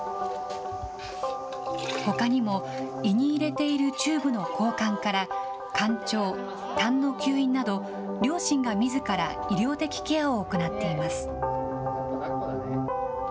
ほかにも、胃に入れているチューブの交換から、かん腸、たんの吸引など、両親がみずから医療的ケアを行っています。